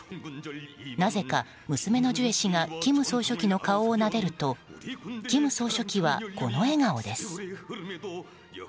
なぜか娘のジュエ氏が金総書記の顔をなでると金総書記は、この笑顔です。